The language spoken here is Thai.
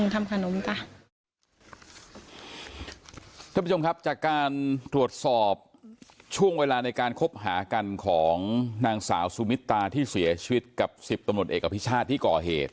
ท่านผู้ชมครับจากการตรวจสอบช่วงเวลาในการคบหากันของนางสาวสุมิตาที่เสียชีวิตกับ๑๐ตำรวจเอกอภิชาติที่ก่อเหตุ